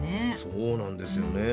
そうなんですよね。